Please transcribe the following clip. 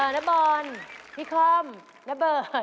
นบอลพี่ค่อมณเบิร์ต